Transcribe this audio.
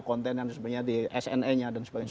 konten yang sebenarnya di sne nya dan sebagainya